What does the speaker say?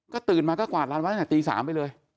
ก็ตื่นมากวาดร้านวัดอย่างนี้แหนะตี๓ไปเลย